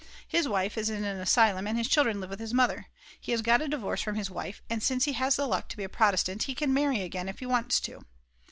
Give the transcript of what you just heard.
His wife is in an asylum and his children live with his mother. He has got a divorce from his wife, and since he has the luck to be a Protestant he can marry again if he wants to.